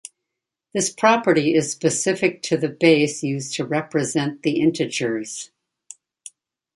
This property is specific to the base used to represent the integers.